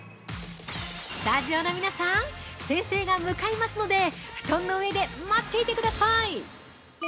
◆スタジオの皆さん先生が向かいますので布団の上で待っていてください。